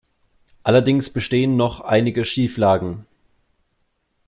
Allerdings bestehen noch einige Schieflagen.